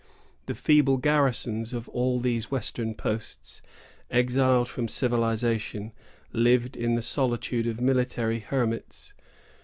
The feeble garrisons of all these western posts, exiled from civilization, lived in the solitude of military hermits.